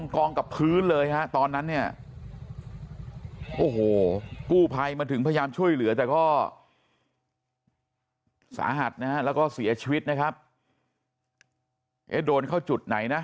ก็สะหัสนะฮะแล้วก็เสียชีวิตนะครับโดนเข้าจุดไหนน่ะ